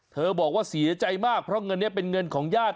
บอกว่าเสียใจมากเพราะเงินนี้เป็นเงินของญาติ